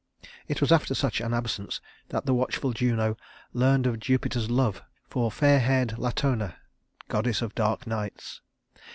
It was after such an absence that the watchful Juno learned of Jupiter's love for fair haired Latona, goddess of dark nights.